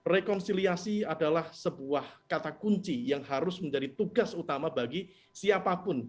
rekonsiliasi adalah sebuah kata kunci yang harus menjadi tugas utama bagi siapapun